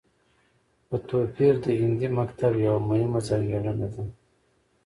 په توپير د هندي مکتب يوه مهمه ځانګړنه ده